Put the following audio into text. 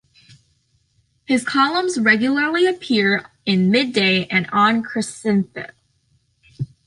His columns regularly appear in Mid-Day and on Cricinfo.